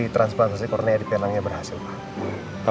transplantasi kornea di pinangnya berhasil pak